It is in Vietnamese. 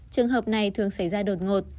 trường hợp này thường xảy ra đột ngột